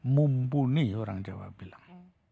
mumpuni orang jawa bilang